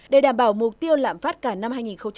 để đảm bảo mục tiêu lạm phát cả năm hai nghìn một mươi tám